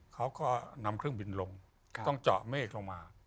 เขาก็นำเครื่องบินลงต้องเจาะเมฆลงมา